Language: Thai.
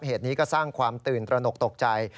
เหตุนี้ก็สร้างความตื่นตระหนกตกใจ